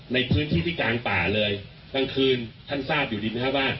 ในพื้นที่ที่กลางป่าเลยกลางคืนท่านทราบอยู่ดีไหมครับว่า